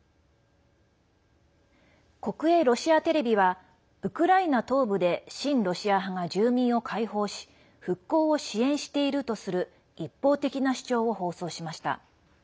国営ロシアテレビはウクライナ東部で親ロシア派が住民を解放し復興を支援しているとする一方的な主張を放送しました。